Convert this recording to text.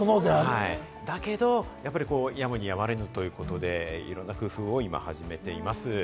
だけど、やむにやまれずということで、いろんな工夫を今始めています。